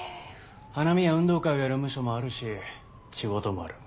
花見や運動会をやるムショもあるし仕事もある。